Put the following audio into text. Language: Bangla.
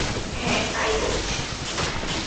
হ্যাঁ, তাই বলছি।